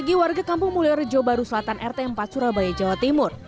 bagi warga kampung mulyorejo baru selatan rt empat surabaya jawa timur